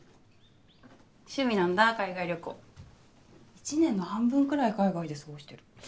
１年の半分くらい海外で過ごしてる。